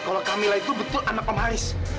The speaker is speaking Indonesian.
kalau kamila itu betul anak pemalis